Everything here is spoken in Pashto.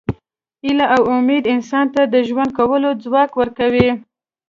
هیله او امید انسان ته د ژوند کولو ځواک ورکوي.